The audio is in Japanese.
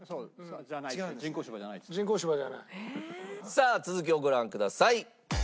さあ続きをご覧ください。